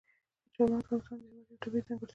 چار مغز د افغانستان هېواد یوه طبیعي ځانګړتیا ده.